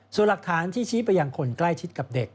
ส่วนหลักฐานที่ชี้ไปยังคนใกล้ชิดกับเด็ก